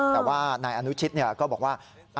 แต่ว่านายอนุชิตก็บอกว่า